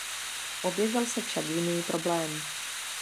Objevil se však jiný problém.